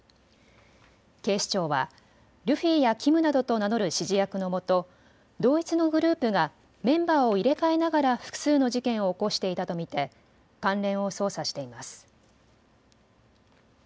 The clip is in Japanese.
警視庁はルフィやキムなどと名乗る指示役のもと同一のグループがメンバーを入れ替えながら複数の事件を起こしていたと見て関連を捜査しています。